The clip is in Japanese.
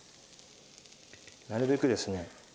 なるべくですね